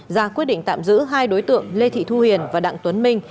ra quyết định tạm giữ hai đối tượng lê thị thu hiền và đặng tuấn minh